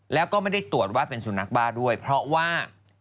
แล้วก็ไม่ได้ตรวจว่าเป็นสุนัขบ้าด้วยเพราะว่า